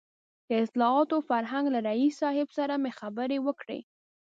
د اطلاعاتو او فرهنګ له رییس صاحب سره مې خبرې وکړې.